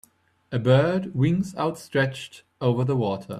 A bird, wings outstreached, over the water.